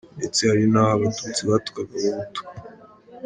Ndetse, hari n’aho abatutsi batukaga abahutu!